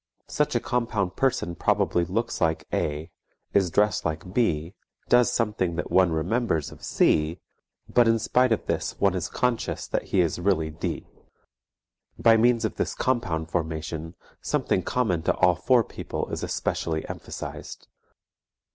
Such a compound person probably looks like A., is dressed like B., does something that one remembers of C., but in spite of this one is conscious that he is really D. By means of this compound formation something common to all four people is especially emphasized.